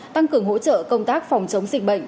tăng cường hỗ trợ công tác phòng chống dịch bệnh